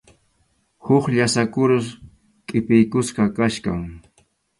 Huk llasa kurus qʼipiykusqa kachkan.